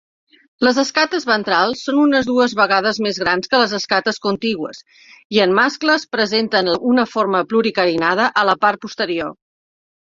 Les escates ventrals són unes dues vegades més grans que les escates contigües i, en mascles, presenten una forma pluricarinada a la part posterior.